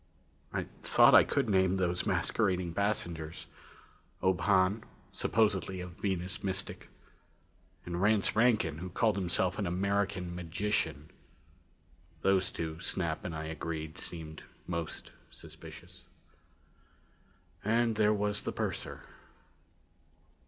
I thought I could name those masquerading passengers. Ob Hahn, supposedly a Venus mystic. And Rance Rankin, who called himself an American magician. Those two, Snap and I agreed, seemed most suspicious. And there was the purser.